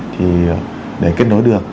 thì để kết nối được